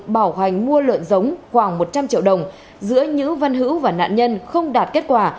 bảo hành mua lợn giống khoảng một trăm linh triệu đồng giữa nhữ văn hữu và nạn nhân không đạt kết quả